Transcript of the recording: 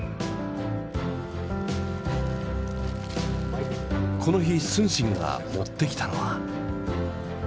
この日承信が持ってきたのは。